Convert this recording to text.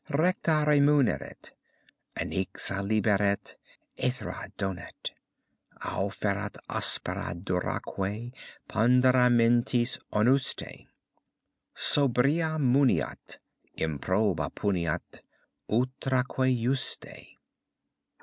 Recta remuneret, anxia liberet, aethera donet, Auferat aspera duraque pondera mentis onustae, Sobria muniat, improba puniat, utraque juste.